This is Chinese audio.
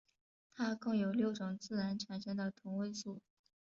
它共有六种自然产生的同位素。